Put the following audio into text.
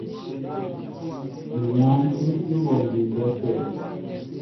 Nyǎn í tí wɔ mbindɛ tə̂.